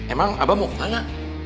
emang abah mau ke mana